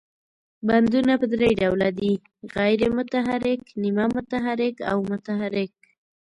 بندونه په درې ډوله دي، غیر متحرک، نیمه متحرک او متحرک.